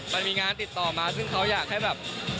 มันมีงานติดต่อมาซึ่งเขาอยากให้แบบ